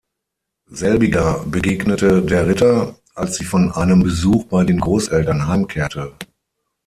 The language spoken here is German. Selbiger begegnete der Ritter, als sie von einem Besuch bei den Großeltern heimkehrte.